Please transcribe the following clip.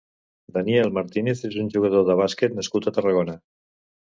Daniel Martínez és un jugador de bàsquet nascut a Tarragona.